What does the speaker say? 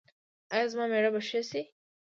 ایا زما میړه به ښه شي؟